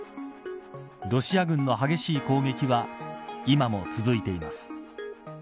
ロシア軍の激しい攻撃は今も続いています。